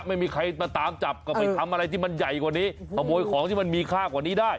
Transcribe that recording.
ไม่มีใครมาตามจับก็ไปทำอะไรที่มันใหญ่กว่านี้ขโมยของที่มันมีค่ากว่านี้ได้